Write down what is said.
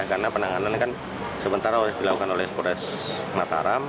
karena penanganan kan sementara dilakukan oleh polres mataram